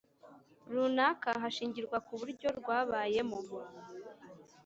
runaka hashingirwa ku buryo ryabayemo